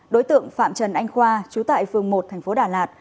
đối tượng phạm trần anh khoa chú tại phường một tp đà lạt